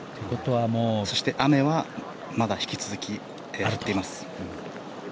そして、雨はまだ引き続き降っています。